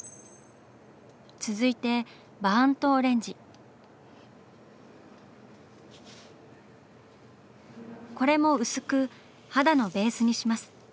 続いてこれも薄く肌のベースにします。